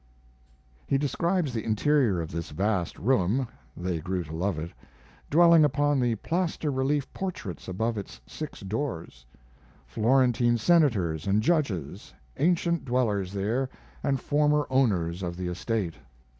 He describes the interior of this vast room (they grew to love it), dwelling upon the plaster relief portraits above its six doors, Florentine senators and judges, ancient dwellers there and former owners of the estate.